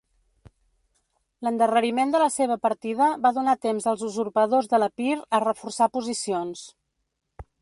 L'endarreriment de la seva partida va donar temps als usurpadors de l'Epir a reforçar posicions.